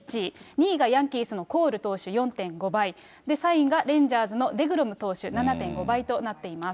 ２位がヤンキースのコール投手、４．５倍、３位がレンジャーズのデグロム投手、７．５倍となっています。